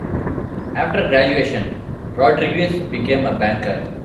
After graduation, Rodrigues became a banker.